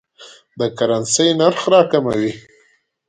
د کرنسۍ نرخ راکموي.